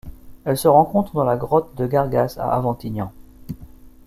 Elle se rencontre dans la grotte de Gargas à Aventignan.